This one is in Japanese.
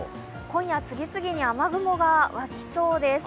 今夜、次々に雨雲がわきそうです。